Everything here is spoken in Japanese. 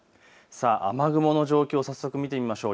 雨雲の状況を早速見てみましょう。